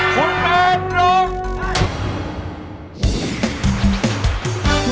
คุณแมนร้อง